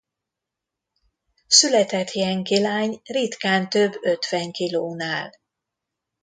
Született jenki lány ritkán több ötven kilónál.